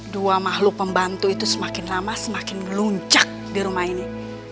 dua makhluk pembantu itu semakin lama semakin meluncak di rumah ini